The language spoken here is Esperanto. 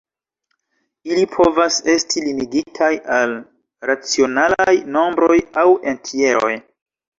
Ili povas esti limigitaj al racionalaj nombroj aŭ entjeroj.